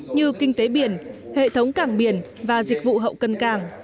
như kinh tế biển hệ thống cảng biển và dịch vụ hậu cân cảng